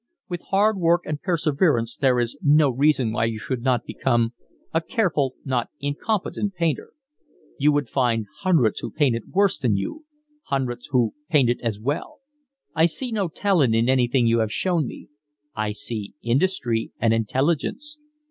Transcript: With hard work and perseverance there is no reason why you should not become a careful, not incompetent painter. You would find hundreds who painted worse than you, hundreds who painted as well. I see no talent in anything you have shown me. I see industry and intelligence.